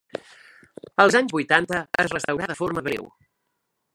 Als anys vuitanta es restaurà de forma breu.